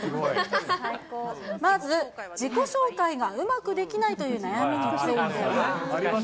まず、自己紹介がうまくできないという悩みについては。